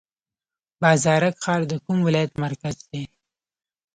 بازارک ښار د کوم ولایت مرکز دی؟